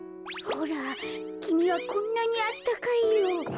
ほらきみはこんなにあったかいよ。